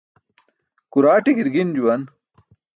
Kuraaṭi gi̇rgin juwan.